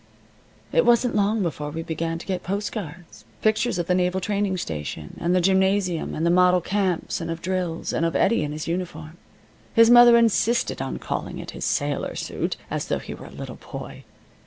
It wasn't long before we began to get postcards pictures of the naval training station, and the gymnasium, and of model camps and of drills, and of Eddie in his uniform. His mother insisted on calling it his sailor suit, as though he were a little boy.